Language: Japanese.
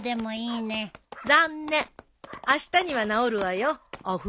残念あしたには直るわよお風呂。